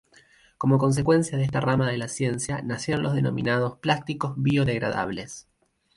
Como consecuencia de esta rama de la ciencia nacieron los denominados plásticos biodegradables.